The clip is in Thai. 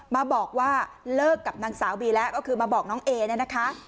มาบอกว่าเลิกกับนางสาวบีแล้วก็คือมาบอกน้องเอเนี่ยนะคะ